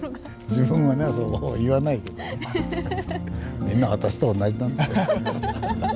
自分はねそう言わないけどみんな私と同じなんですよ。